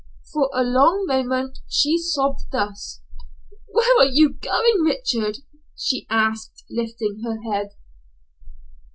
For a long moment she sobbed thus. "Where are you going, Richard?" she asked, lifting her head.